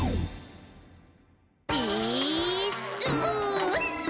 「イーッス」